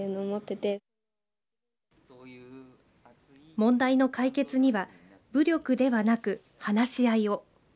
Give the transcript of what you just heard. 問題の解決には武力ではなく話し合いを。